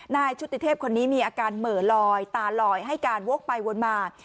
ชุติเทพคนนี้มีอาการเหม่อลอยตาลอยให้การวกไปวนมา